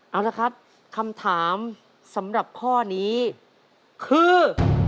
เอาละครับคำถามสำหรับข้อนี้คือ